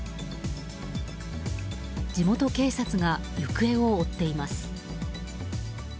地元警察が行方を追っています。